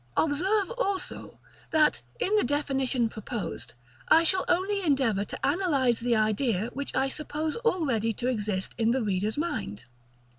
§ III. Observe also, that, in the definition proposed, I shall only endeavor to analyze the idea which I suppose already to exist in the reader's mind.